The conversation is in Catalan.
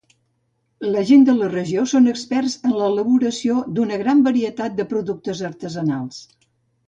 La gent de la regió són experts en l'elaboració d'una gran varietat de productes artesanals.